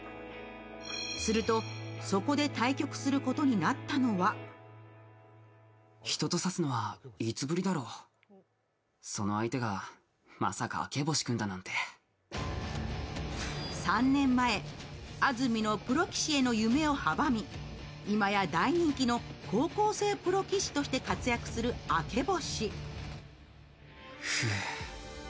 すると、そこで対局することになったのは３年前、安住のプロ棋士への夢を阻み今や大人気の高校生プロ棋士として活躍する明星。